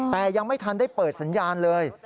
แต่ยังไม่ทันได้เปิดสัญญาณเลย